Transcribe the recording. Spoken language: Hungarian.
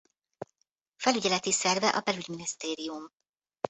Felügyeleti szerve a Belügyminisztérium.